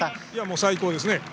最高ですね。